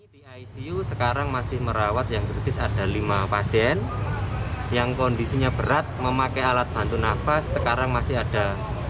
di icu sekarang masih merawat yang kritis ada lima pasien yang kondisinya berat memakai alat bantu nafas sekarang masih ada